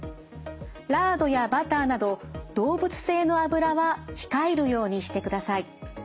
ラードやバターなど動物性の脂は控えるようにしてください。